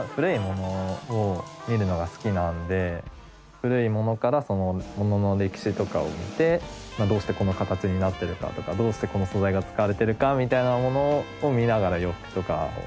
古いものからそのものの歴史とかを見てどうしてこの形になってるかとかどうしてこの素材が使われているかみたいなものを見ながら洋服とかを見るのが大好きです。